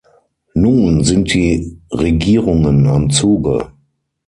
Nun sind die Regierungen am Zuge.